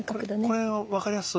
これ分かりやすい。